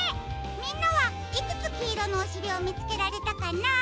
みんなはいくつきいろのおしりをみつけられたかな？